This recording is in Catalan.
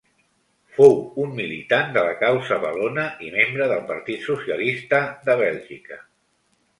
Fou un militant de la causa valona i membre del Partit Socialista de Bèlgica.